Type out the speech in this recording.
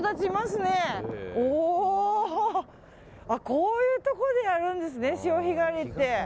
こういうところでやるんですね潮干狩りって。